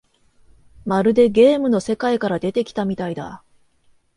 まるでゲームの世界から出てきたみたいだ